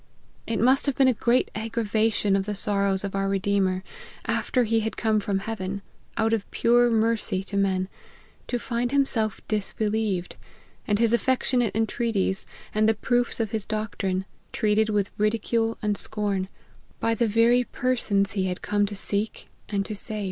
It must have been a great aggravation of the sorrows of our Redeemer, after he had come from Heaven, out of pure mercy to men, to find himself disbelieved, and his affectionate entreaties, and the proofs of his doctrine, treated with ridicule and scorn, by the very persons he^ iiad come to seek and to save.